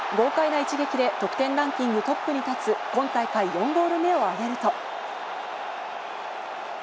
１点リードの後半２９分、豪快な一撃で得点ランキングトップに立つ今大会４ゴール目を挙げると。